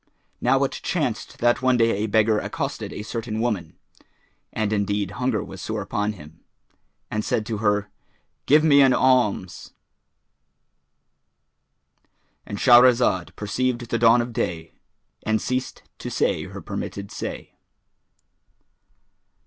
Now it chanced that one day a beggar accosted a certain woman (and indeed hunger was sore upon him), and said to her, "Give me an alms"—And Shahrazad perceived the dawn of day and ceased to say her permitted say.